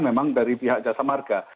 memang dari pihak jasa marga